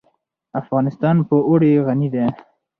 افغانستان په اوړي غني دی.